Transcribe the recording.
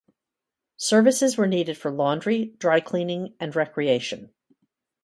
Services were needed for laundry, dry-cleaning and recreation.